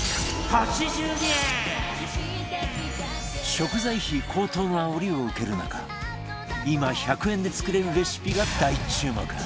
食材費高騰のあおりを受ける中今１００円で作れるレシピが大注目